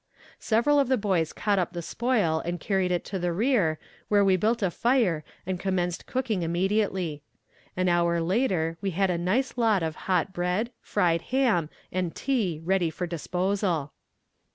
Several of the boys caught up the spoil and carried it to the rear, where we built a fire and commenced cooking immediately. An hour later we had a nice lot of hot bread, fried ham and tea ready for disposal.